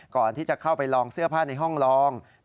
ก่อนที่จะเข้าไปลองเสื้อผ้าในห้องลอง